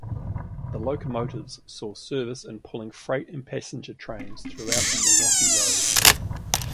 The locomotives saw service in pulling freight and passenger trains throughout the Milwaukee Road.